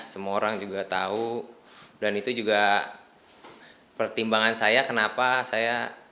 semua orang juga tahu dan itu juga pertimbangan saya kenapa saya